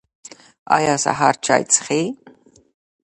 ایا سهار چای څښئ؟